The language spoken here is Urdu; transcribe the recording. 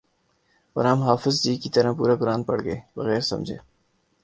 اور ہم حافظ جی کی طرح پورا قرآن پڑھ گئے بغیر سمجھے